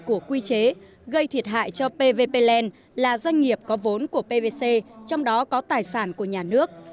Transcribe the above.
của quy chế gây thiệt hại cho pvp land là doanh nghiệp có vốn của pvc trong đó có tài sản của nhà nước